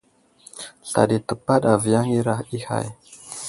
Sla ɗi təpaɗ aviyaŋ i hay.